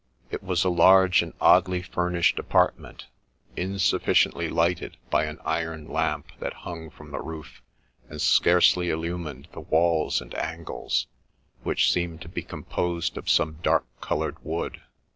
It was a large and oddly furnished apartment, insufficiently lighted by an iron lamp that hung from the roof, and scarcely illumi ned the walls and angles, which seemed to be composed of some dark coloured wood.